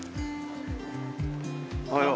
おはよう。